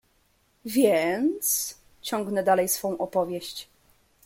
"Więc, ciągnę dalej swą opowieść."